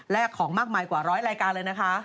แลกของมากมายกว่า๑๐๐รายการเลยนะคะ